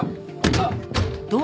あっ！